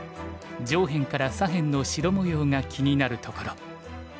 上辺から左辺の白模様が気になるところ。